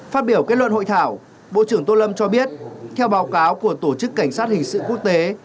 phát biểu kết luận hội thảo bộ trưởng tô lâm cho biết theo báo cáo của tổ chức cảnh sát hình sự quốc tế